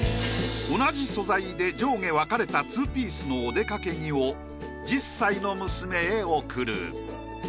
同じ素材で上下分かれたツーピースのお出かけ着を１０歳の娘へ贈る。